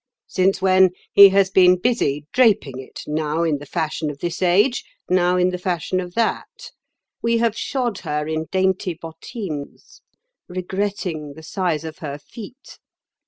Since when he has been busy, draping it, now in the fashion of this age, now in the fashion of that. We have shod her in dainty bottines, regretting the size of her feet.